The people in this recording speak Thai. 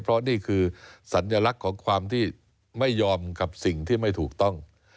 เพราะนี่คือสัญลักษณ์ของความที่ไม่ยอมกับสิ่งที่ไม่ถูกต้อง